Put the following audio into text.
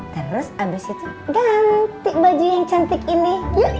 terus abis itu ganti baju yang cantik ini yuk